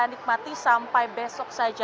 nikmati sampai besok saja